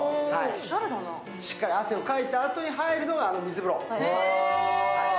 しっかり汗をかいたあとに入るのが水風呂。